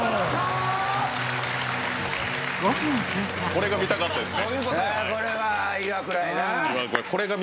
これが見たかったです。